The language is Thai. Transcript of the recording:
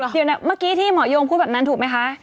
เดี๋ยวเมื่อกี้ที่หมอยงพูดแบบนั้นถูกไหมคะ